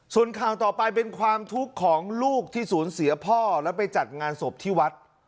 ส่วนข่าวต่อไปเป็นความทุกข์ของลูกที่สูญเสียพ่อแล้วไปจัดงานศพที่วัด